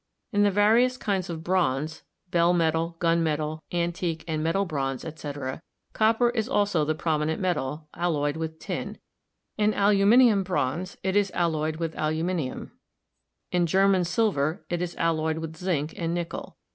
In the various kinds of bronze (bell metal, gun metal, antique and medal bronze, etc.) copper is also the prominent metal, alloyed with tin; in aluminium bronze it is alloyed with aluminium ; in german silver it is alloyed with zinc and nickel.